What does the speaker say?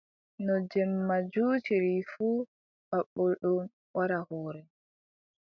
No jemma juutiri fuu, baɓɓol ɗon wadda hoore.